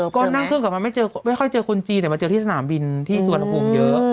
ก็นั่งเครื่องกลับมาไม่ค่อยเจอคนจีนแต่มาเจอที่สนามบินที่สุวรรณภูมิเยอะ